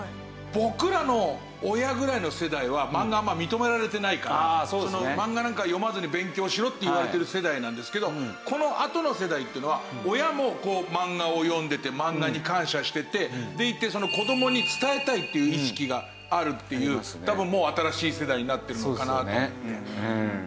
僕らの親ぐらいの世代は漫画あんま認められてないから漫画なんか読まずに勉強しろって言われてる世代なんですけどこのあとの世代っていうのはっていう意識があるっていう多分もう新しい世代になってるのかなと思って。